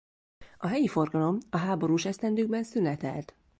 A helyi forgalom a háborús esztendőkben szünetelt.